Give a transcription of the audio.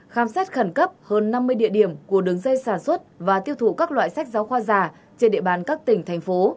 khám xét khẩn cấp hơn năm mươi địa điểm của đường dây sản xuất và tiêu thụ các loại sách giáo khoa giả trên địa bàn các tỉnh thành phố